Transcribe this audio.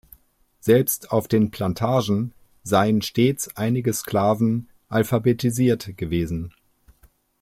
Selbst auf den Plantagen seien stets einige Sklaven alphabetisiert gewesen.